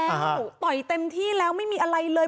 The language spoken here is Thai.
โอ้โหต่อยเต็มที่แล้วไม่มีอะไรเลย